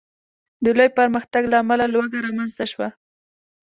د لوی پرمختګ له امله لوږه رامنځته شوه.